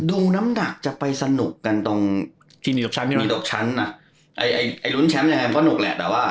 ดูน้ำหนักจะไปสนุกกันตรงทีมนี่ตกชั้นน่ะไอลุ้นแชมป์ยังไงมันก็สนุกแหละ